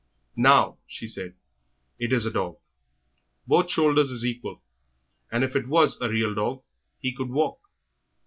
"Now," she said, "it is a dog; both shoulders is equal, and if it was a real dog he could walk."